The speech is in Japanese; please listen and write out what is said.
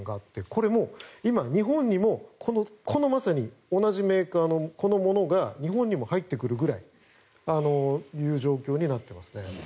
これ、日本にもこのまさに同じメーカーのこのものが日本にも入ってくるくらいという状況になってますね。